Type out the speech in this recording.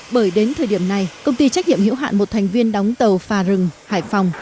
bởi đến thời điểm này công ty trách nhiệm hiểu hạn một thành viên đóng tàu phà rừng hải phòng